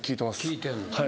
聞いてんの。